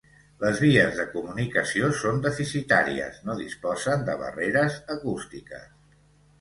Les vies de comunicació són deficitàries, no disposen de barreres acústiques.